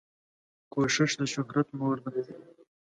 کوښښ دشهرت مور ده